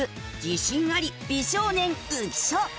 自信あり美少年浮所。